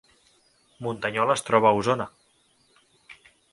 Muntanyola es troba a Osona